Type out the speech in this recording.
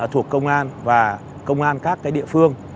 thuộc công an và công an các địa phương